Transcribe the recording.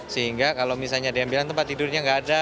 sehingga kalau misalnya ada yang bilang tempat tidurnya nggak ada